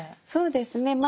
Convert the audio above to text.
そうですね